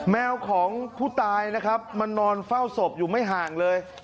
แมวของผู้ตายนะครับมันนอนเฝ้าศพอยู่ไม่ห่างเลย